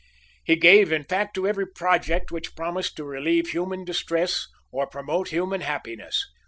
He gave, in fact, to every project which promised to relieve human distress, or promote human happiness.